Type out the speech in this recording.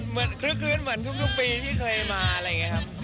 ก็เหมือนครึ่งคืนเหมือนทุกปีที่เคยมาอะไรอย่างงี้ครับ